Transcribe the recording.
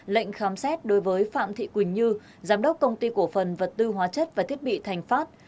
lệnh khám xét đối với phạm thị quỳnh như giám đốc công ty cổ phần vật tư hóa chất và thiết bị thành phát